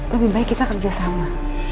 lebih baik kita kerja sama